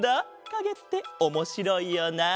かげっておもしろいよな。